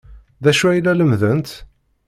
D acu ay la lemmdent?